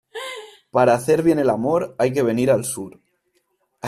Para hacer bien el amor hay que venir al sur.